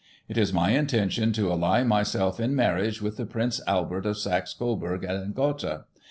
" It is my intention to ally myself in marriage with the Prince Albert of Saxe Coburg and Gotha.